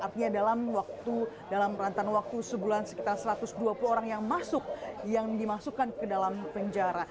artinya dalam waktu dalam rantan waktu sebulan sekitar satu ratus dua puluh orang yang masuk yang dimasukkan ke dalam penjara